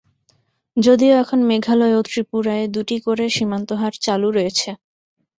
যদিও এখন মেঘালয় ও ত্রিপুরায় দুটি করে সীমান্ত হাট চালু রয়েছে।